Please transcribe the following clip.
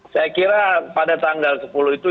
saya kira pada tanggal sepuluh itu